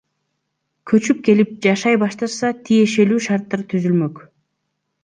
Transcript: Көчүп келип, жашай башташса, тиешелүү шарттар түзүлмөк.